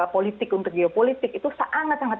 politik untuk geopolitik itu sangat sangat